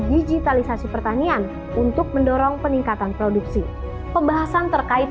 digitalisasi pertanian untuk mendorong peningkatan produksi pembahasan terkait